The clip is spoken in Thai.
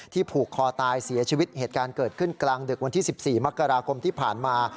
ผูกคอตายเสียชีวิตเหตุการณ์เกิดขึ้นกลางดึกวันที่๑๔มกราคมที่ผ่านมา